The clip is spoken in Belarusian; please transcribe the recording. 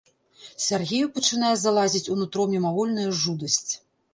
Сяргею пачынае залазіць у нутро мімавольная жудасць.